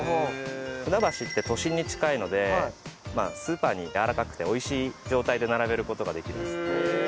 船橋って都心に近いのでスーパーにやわらかくておいしい状態で並べる事ができるんです。